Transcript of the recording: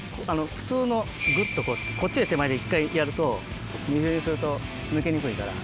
普通のグッとこうこっちで手前で１回やると二重にすると抜けにくいから。